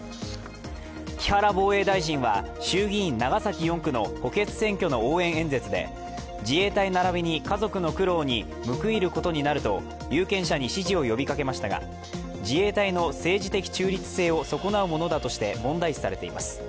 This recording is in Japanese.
木原防衛大臣は衆議院・長崎４区の補欠選挙の応援演説で、自衛隊ならびに家族の苦労に報いることになると有権者に支持を呼びかけましたが、自衛隊の政治的中立性を損なうものだとして問題視されています。